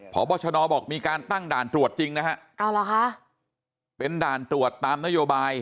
พบชนบอกมีการตั้งด่านตรวจจริงนะฮะเอาเหรอคะเป็นด่านตรวจตามนโยบาย